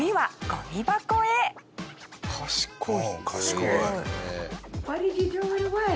賢い。